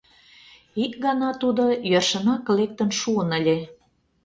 Ик гана тудо йӧршынак лектын шуын ыле.